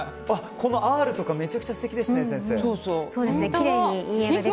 このＲとかめちゃくちゃ素敵ですね。